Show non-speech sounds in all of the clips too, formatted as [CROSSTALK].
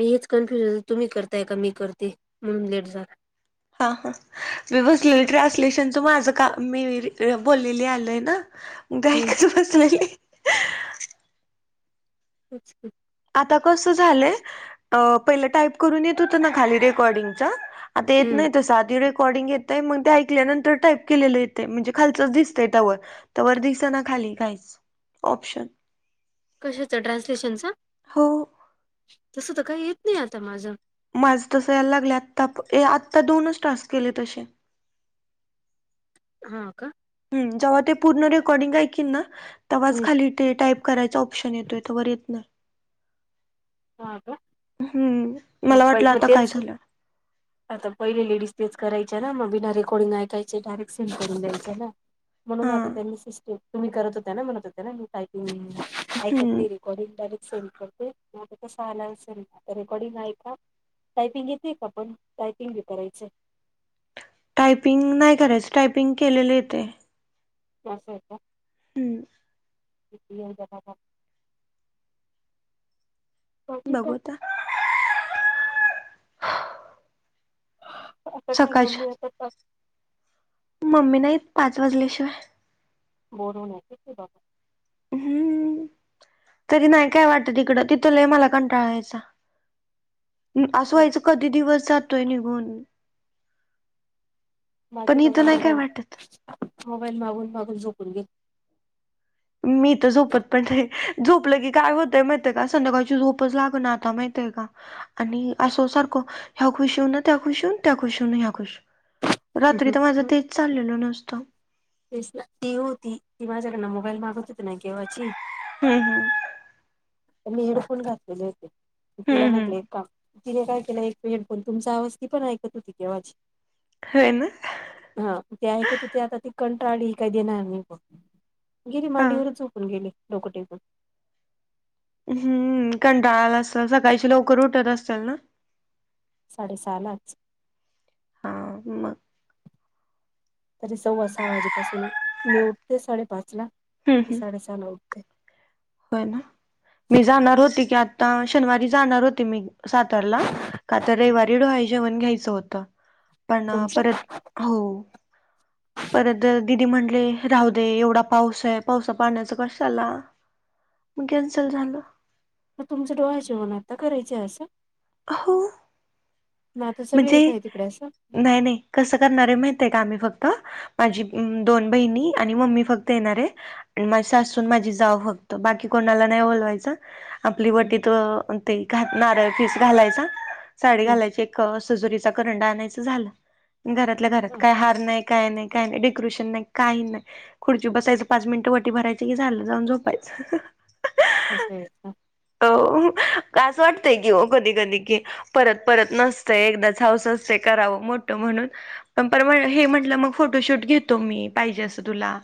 मी हेच कन्फ्युज तुम्ही करताय का मी करते म्हणून लेट जाल. हां हां. मी बसलेली ट्रान्सलेशनच माझ का मी बोललेली आलय ना. हम्म गाक बास नाही. अच्छा. आता कस झालय पहिल टाईप करून येत होत ना खाली रेकॉर्डिंगचा... आता येत हम्म नाही तर साधरे.. अकॉर्डिंग येतय मग ते ऐकल्यानतर टाईप केलेल येते म्हणजे खालच दिसतय तवर. तर वर दिस ना खाली काहीच ऑप्शन. कशाच? ट्रान्सलेशनच हो. तस त काही येत नाही आता माझ. माझ तस यायला लागले आता आत्ता दोनच टास्क केले तसे. हा व का. जेव्हा ते पूर्ण रेकॉर्डिंग ऐकली ना तेव्हाच खाली ते टाईप करायच आ आपशन येतोय तवर येत नाही. हा का, हम्म मला प वाटलं मग आता काय तेच. झालं आता पहिले लेडीज तेच करायच्या ना मग बिना रेकॉर्डिंग ऐकायचे डायरेक्शन करून द्यायच ना. हा म्हणून आता त्यांनी सिस्टम तुम्ही करत होत ना म्हणत होत्या ना मी टायपिंग हम्म ऐकतले रे. डी से म स स रेकडीन आय का. टायपिंग येेते का आपण टायपिंग बी करायचे. टायपिंग नाही करायच, टायपिंग केलेल येते. असय का. ह. [INAUDIBLE] बाबा. बघू आता. आता काही सकाळच्या मम्मी अस का मम्मी नाही येत पाच वाजल्याशिवाय. को न येत बाघ. हम्म. तरी नाही काय वाटत ईकड तिथ मला लय कंटाळायायचा. म अस व्हायचं, कधी दिवस जातोय निघून. माझी पण इथ बघा नाही काय मोबाईल वाटत. मोबाईल मागून मागून झोपून गेली. मी तर झोपतपण नही, ते झोपल की काय होतय माहतीय का संध्याकाळची झोपच लाग ना आता माहितय का. आणि अस सारख ह्या खुशऊन होन त्या खुशऊन त्या खुशऊन ह्या खुश. रात्री तर माझ गेली तेच चाललेल नुसत. तेच ना ती होती ती माझ्याकड मोबाईल मागत होती ना केेव्हाची. हम्म. तर मी हेडफोन घातलेले होते, तिला हम्म हम्म म्हटले का. तिने काय केलं, एक मिेनीट, पण तुमचा आवाज ती पण ऐकत होती आवाज. होय ना. हा ते ऐकत होती. आता ती कंटाळली. काही देणार नाही बघ. गेली, हा मांडीवरच झोपून गेली, डोकं टेकून. हम्म, कंटाळा आला असल, सकाळशी लवकर उठत असल ना. साडेसहा लाच. हां मग. तरी सव्वा सहा वाजेपासून, मी उठते साडेपाचला, हम्म तेी हम्म साडेसहाला उठते. होय ना, मी जाणार होती की, आता शनिवारी जाणार होती मी. सातारला, का तर रविवारी डोहाळ जेवण घ्यायचं होतं, पण तुमचं परत. हो. परत दिदी म्हंटले राहू दे, एवढा पाऊस आहे. पावसा पाण्याच कशाला. मग कॅन्सल झालं. मग तुमचा डोहाळ जेवण आता करायचंय, असं. हो. मग आता सगळे येत म्हणजे, आहे तिकडे असं नाही -नाही. कसं करणारे माहित आहे का आम्ही, फक्त माझी दोन बहिणी, आणि मम्मी फक्त येणारे. आणि माझी सासून माझी जाव फक्त, बाकी, कोणाला नाही बोलवायचं. आपली हम्म वटीत ते नारळ पीस घालायचा. साडी घालायची, एक सजुरीचा करंडा आणायचं. झालं घरातल्या घरात, काय हार नाही. काय नाही, काही नाही, डेकोरेशन नाही, काही नाही. खुर्चीवर बसायचं, पाच मिनिटं वटी भरायची की झालं जाऊन झोपायचं. अस आहे का? हो अस वाटते कि ओ कधीकधी की. परत- परत नसतं. एकदाच हौस असते, करावं मोठ म्हणून. पण पर हे म्हटलं मग फोटोशूट घेतो मी पाहिजे असं तुला.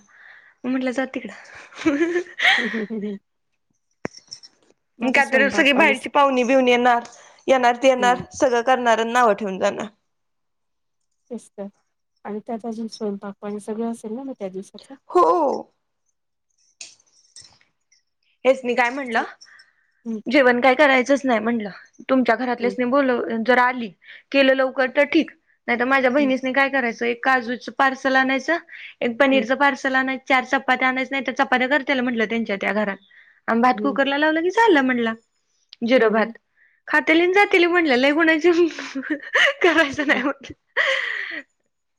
म्हटलं जावू दे तिकडं. हम ह हम हम म कातर स्वयंपाक सगळी पाणी बाहेरची पाहुणी बिऊणी येणार. येणार ते येणार हम्म सगळं. करणार, नाव ठेवून जाणार. तेच तर, आणि त्यात अजून स्वयंपाक पाणी सगळं असेल ना, मग त्या दिवसाच. हो. हेच मी काय तर म्हणलं, तेच जेवण काय करायचंच नाही म्हणलं. तुमच्या घरातल्यांसी बोलव जर आली केलं लवकर तर ठीक. नाही तर माझ्या बहिणीसने काय करायचं एक काजूचं पार्सल आणायचं एक पनीरचं पार्सल आणायचं.. चार चपात्या आणायच नाही तर चपात्या करते म्हंटलं त्यांच्या त्या घरात आन भात कुकरला लावलं की.. चाललेलं म्हणलं जीरा भात खात्याली आणि जात्याली लय गुणाचं करायचं नाही म्हटलं.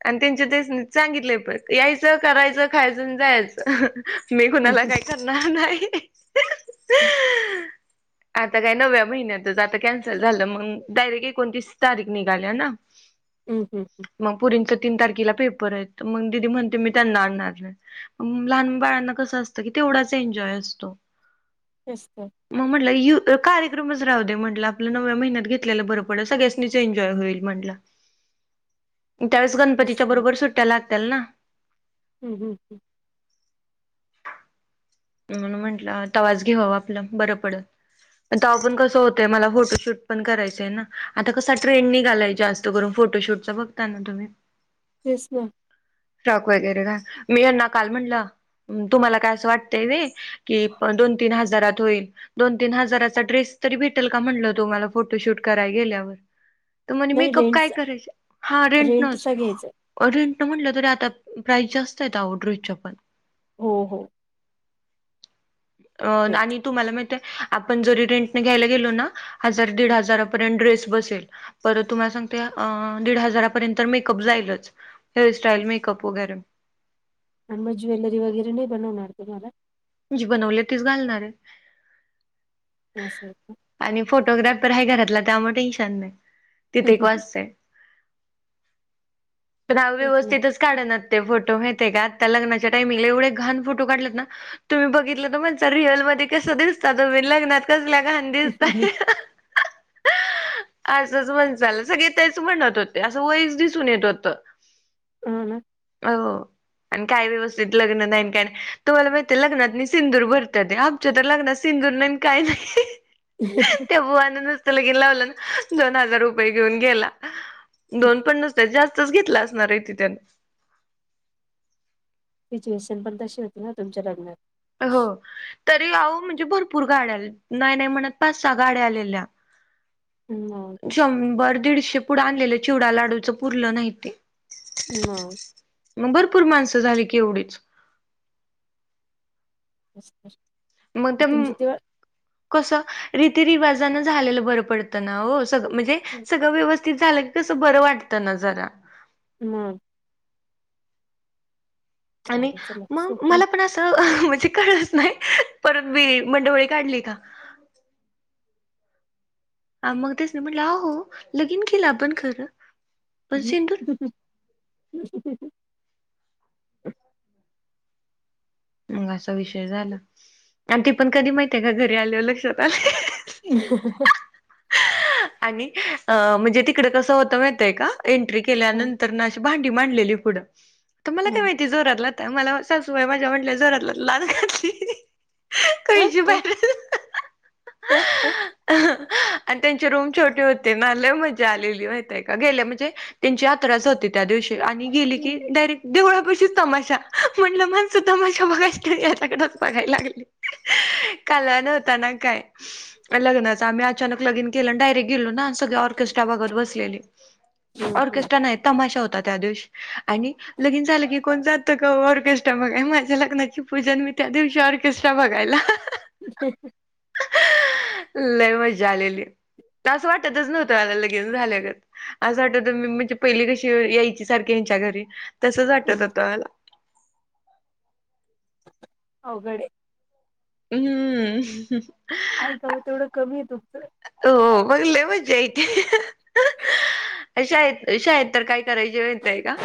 आणि त्यांच्या तेसनी सांगितले प यायचं करायचं खायच जायचं. मी कुणाला काही करणार नाही. आता काय नवव्या महिन्यातच आता कॅन्सल झालं मग डायरेक्ट एकोणतीस तारीख निघाल्या ना. हम्म हम् हम्म. मग पुरींच तीन तारखेला पेपर आहेत मग दिदी म्हणते मी त्यांना आणणार नाही. लहान बाळाना कसं असतं की तेवढाच एन्जॉय असतो. तेच तर मग म्हटलं, यु... कार्यक्रमच राहू दे म्हटलं आपलं... नवव्या महिन्यात घेतल्याला बरं पडल, सगळ्या -चं एन्जॉय होईल म्हटलं. [INAUDIBLE] त्यावेळेस गणपतीच्या बरोबर... सुट्ट्या लागत्याल ना. हू हू, हू. म्हणून म्हंटलं... तव्हाच घ्यावं आपलं... बरं पडल. तव्हा पण कसं होतंय... मला फोटोशूट पण करायचंय ना. आता कसा ट्रेंड निघालाय... जास्त करून फोटोशूट -चा... बघताय ना तुम्ही? तेच ना. स्टॉक वगैरे घा... मी यांना काल म्हंणलं... तुम्हाला काय असं वाटतंय व्हय?. कि दोन तीन हजारात होईल? दोन तीन हजाराचा ड्रेस तरी भेटेल का म्हटलं... तुम्हाला फोटोशूट कराय गेल्यावर? तर म्हणे नाही मेकअप काय रेंटचा करायचं... हा रेंटनच. रेंटचा घ्यायचा रेंटनं म्हटलं तरी आता, प्राइस जास्त आहेत आवो... ड्रेसच्या पण. हो हो. अं... खूपेत आणि तुम्हाला माहित ए... आपण जरी रेंटने घ्यायला गेलो ना हजार दीड हजारापर्यंत ड्रेस बसेल. परत तुम्हाला सांगते... अं... दीड हजारापर्यंत मेकअप जाईलच, हेअरस्टाईल, मेकअप वगैरे अन् मग... ज्वेलरी वगैरे नई बनवणार तुम्हाला? जी बनवली तीच घालणार ए. असं ए का? आणि फोटोग्राफर हाये घरातला... त्यामुळे टेन्शन नई तिथं एक वाचतंय. पण तेच ना अव्यवस्थितच काढंनात ते फोटो... माहितेय का... आत्ता लग्नाच्या टाइमिंगला एवढे घाण फोटो काढलेत ना तुम्ही बघितलं तर म्हणसाल... रिअलमध्ये कसं दिसता तुम्ही... लग्नात कसल्या घाण दिसताय. असंच म्हणसाल... सगळे तेच म्हणत होते, असं वयच दिसून येत होतं. हो ना. हो... अन काय व्यवस्थित लग्न नाई न काय नई... तुम्हाला माहि ते लग्नात नी सिंदूर भरत्यात ते... आमच्या तर लग्नात सिंदूर नाई नी काई नई- त्या बुवानं नुसतं लगीन लावलं, अन दोन हजार रुपये घेऊन गेला. दोन पण नसतील, जास्त घेतलं असणार ए... ती त्यानं सिच्युएशन पण तशी होती ना तुमच्या लग्नात? हो... तरी अहो... म्हणजे भरपूर गाड्या आलेल्या... नाई नाई म्हणत... पाच सहा गाड्या आलेल्या. हू, मग. शंभर दीडशे पुडं आणलेलं... चिवडा लाडूचं... पुरलं नाही ते. मग. मग भरपूर माणसं झाली की एवढेच. [INAUDIBLE] मग ते... तुमची तेव्हा कसं रीतीरिवाजानं झालेलं बरं पड -तं ना ओ... सग... म्हणजे सगळं व्यवस्थित झालं कसं... बरं वाटतं ना जरा मग. आणि जाऊदे चला मग, सुखरूप मला पण असं -चं... म्हणजे कळलंच नाई... परत मी मुंडंवळी काढली का मग तेच मी म्हटलं... आहो, लगीन केलं आपण खरं पण सिंदूर ह.. मग असा विषय झाला आणि ते पण कधी माहतीय का घरी आल्यावर लक्षात आले. [INAUDIBLE] आणि म्हणजे तिकड कस होत माहित आहे का एंट्री हा केल्यानंतर भांडी मांडलेली आहे पुढे तुम्हाला काय हा माहित जोरात लाट मला सासूबाई माझ्या म्हटल्या जोरात लाथ घातली. कची बाहेर ह ह [UNINTELLIGIBLE] आणि त्यांचे रूम छोटे होते ना लय मजा आलेली माहतीय का गेल्या म्हणजे त्यांची यात्राच होती त्या दिवशी आणि गेली की डायरेक्ट देवळापशीच तमाशा म्हणलं माणस तमाशा बघाय याच्याकडेच बघायला लागली काल नव्हता ना काय लग्नाचा आम्ही अचानक लगीन ग डारेट गेलो ना सगळे ऑेस् बसलेली ऑर्केस्ट्रा नाही तमाशा होता त्या दिवस आणि लगिन झालं की कोण जातं का ऑर्केस्ट्रा बघाय माझ्या लग्नाची पूजा मी त्या दिवशी ऑर्केस्ट्रा बघ बघायला लय मजा आलेली. असं वाटतच नव्हतं आला लगीनच झाल्यागत असं वाटत मी म्हणजे पहिली कशी यायची सारखी ह्यांच्या घरी तसच वाटत होत मला अवघड आहे हम्म ऐकावं तेवढं कमी आहे तुमचं हो मग लई मज्जा येते शाळेत शाळेत तर काय करायची माहित आहे का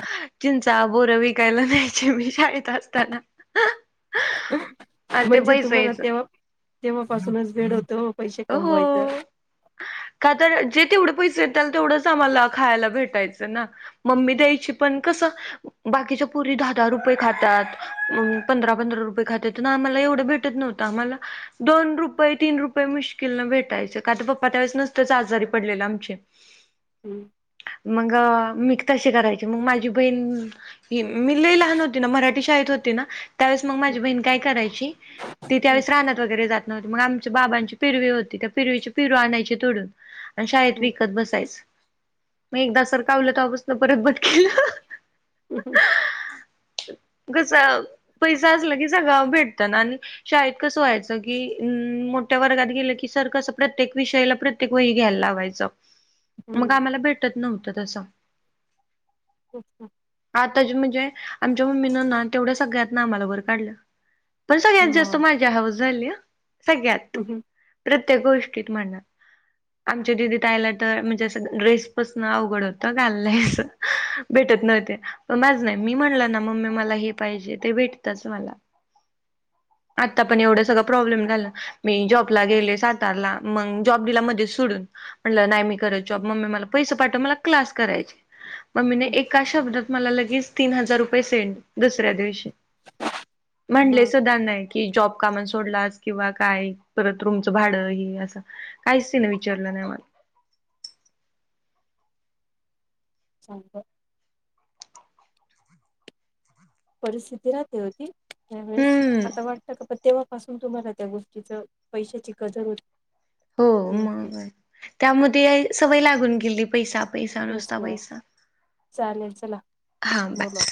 चिंचा बोरं विकायला न्यायची मी शाळेत टास्क आलं [UNINTELLIGIBLE] म्हणजे पैसे तुम्हाला यायचं. तेव्हा [INAUDIBLE] तेव्हापासूनच भेड होतो हो हो का तर जे तेवढे पैसे येतल तेवढंच आम्हाला खायला भेटायचं ना मम्मी द्यायची पण कसं बाकीच्या पुरी दहा दहा रुपये खातात पंधरा पंधरा रुपये खातात तर आम्हाला एवढं भेटत नव्हत आम्हाला दोन रुपये तीन रुपये प्प मुश्किल न भेटायचं का तर पप्पा त्यावेळेस नसतंच आजारी पडलेलं आमचे ह मग मी तशी करायचे मग माझी बहीण ह मी लई लहान होती ना मराठी शाळेत होती ना त्यावेळेस मग हं, माझी बहीण काय करायची ति. हं, त्यावेळेस रानात वगैरे जात नव्हते मग आमच्या बाबां पिरवी होती त्या पिरवीची पिरू आणायची तोडून आणि शाळेत हं, विकत बसायच मी एकदा सर कावलं तेव्हापासन परत बंद केलं. [INAUDIBLE] कस [UNINTELLIGIBLE] पैसा असला की सगळं भेटत ना आणि शाळेत कसं व्हायचं की त्या वर्गात गेल की सर कस प्रत्येक विषयाला प्रत्येक वही घ्यायला लावायच मग हं. आम्हाला भे त्यात नव्हतं तसं. [INAUDIBLE] आता ज म्हणजे आमच्या मम्मीनं ना तेवढ्या सगळ्यात ना आम्हाला वर काढलं पण सगळ्यात जास्त मग माझ्या हाऊस झाली ह सगळ्यात ह ह. प्रत्येक गोष्टीत म्हणणार. आमच्या दिदी तहिला तर म्हणजे असं ड्रेस पसन अवघड होतं घाललंयस. भेटत नव्हते पण माझ नाही मी म्हणलं ना मम्मी मला हे पाहिजे ते भेटतच मला. ह आत्ता पण एवढं सगळं प्रॉब्लेम झालं. मी जॉबला गेले सातारला मग जॉब दिला मध्ये सोडून. म्हटलं नाही मी करत जॉब मम्मी मला पैसे पाठव मला क्लास करायचे. मम्मीने हं. एका शब्दात मला लगेच तीन हजार रुपये सेंड, दुसऱ्या दिवशी. म्हणले मग सुधा नाही की जॉब कामन सोडलास किंवा काय. परत रूमचं भाडं हे असं काहीच तिनं विचारलं नाही मला. चांगलय. परिस्थिती राहते हो ती त्यावेळेस हम्म आता वाट त का तेव्हापासून तुम्हाला त्या गोष्टीच पैशाची कदर हो हो मग त्यामु ते सवय लागून गेली पैसा पैसा तेच नुसता ना पैसा चालेल चला हा ब. बोला